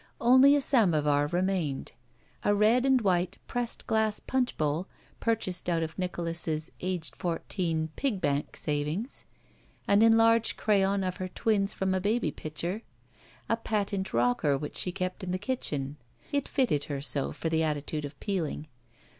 Only a samovar remained. A red and white pressed glass punch bowl, purchased out of Nicholas's — aged fourteen — pig bank savings. An enlarged crayon of her twins from a baby picture. A patent rocker which she kept in the kitdien. (It fitted her so for the attitude of peeling.)